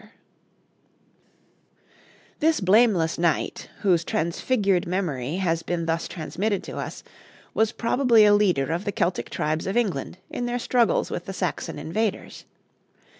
This blameless knight, whose transfigured memory has been thus transmitted to us, was probably a leader of the Celtic tribes of England in their struggles with the Saxon invaders.